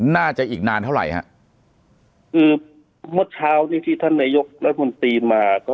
น่าจะอีกนานเท่าไหร่ฮะคือเมื่อเช้านี้ที่ท่านนายกรัฐมนตรีมาก็